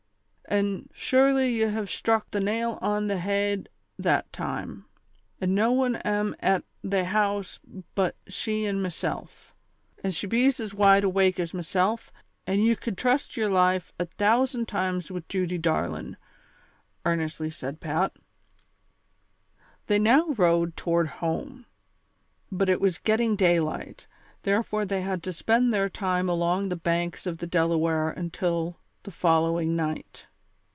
''An' shurely ye hav sthruck they nail on they hed that time ; an' no one am at they house but she an' meself ; an' she bees as wide awak as meself, an' ye could trust yer life a tousand times wid Judy darlin'," earnestly said Pat. They now rowed toward home ; but it was getting day light, therefore they had to spend their time along the banks of the Delaware until the following night.